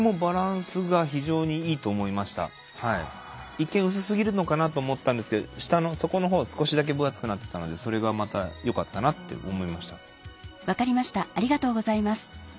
一見薄すぎるのかなと思ったんですけど下の底のほう少しだけ分厚くなってたのでそれがまたよかったなって思いました。